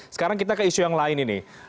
sekarang kita ke isu yang lain ini